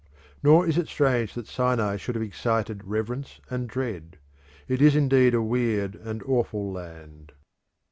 Nor is it strange that Sinai should have excited reverence and dread; it is indeed a weird and awful land.